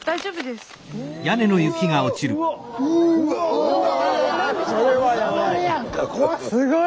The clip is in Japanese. すごい！